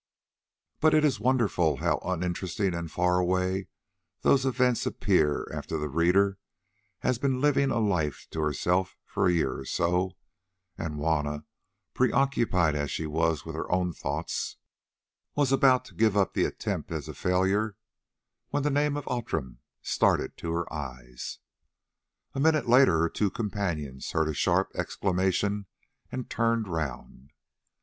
But it is wonderful how uninteresting and far away those events appear after the reader has been living a life to herself for a year or so, and Juanna, preoccupied as she was with her own thoughts, was about to give up the attempt as a failure, when the name of Outram started to her eyes. A minute later her two companions heard a sharp exclamation and turned round.